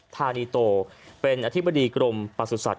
ธานีโตเป็นอธิบดีกรมประสุทธิ